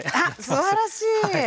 あらすばらしい！